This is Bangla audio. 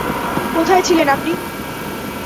কোথায় ছিলেন আপনি?